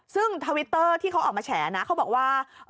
ซึ่งทวิตเตอร์ที่เขาออกมาแฉนะเขาบอกว่า